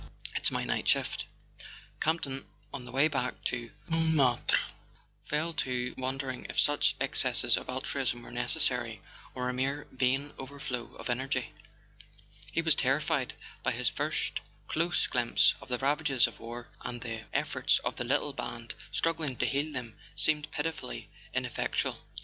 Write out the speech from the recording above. It's my night shift." Campton, on the way back to Montmartre, fell to wondering if such excesses of altruism were necessary, or a mere vain overflow of energy. He was terrified by his first close glimpse of the ravages of war, and the efforts of the little band struggling to heal them seemed pitifully ineffectual.